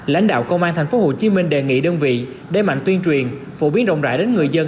lãnh đạo công an tp hcm đề nghị đơn vị đế mạnh tuyên truyền phổ biến rộng rãi đến người dân